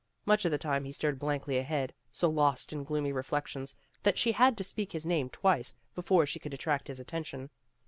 Much of the time he stared blankly ahead, so lost in gloomy reflec tions that she had to speak his name twice, be fore she could attract his attention.